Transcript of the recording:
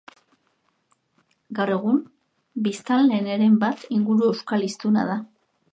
Gaur egun, biztanleen heren bat inguru euskal hiztuna da.